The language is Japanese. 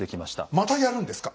またやるんですか？